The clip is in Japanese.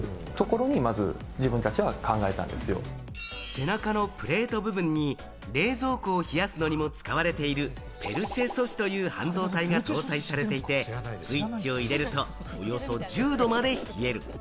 背中のプレート部分に冷蔵庫を冷やすのにも使われているペルチェ素子という半導体が搭載されていて、スイッチを入れるとおよそ１０度まで冷える。